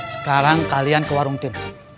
sekarang kalian ke warung tipe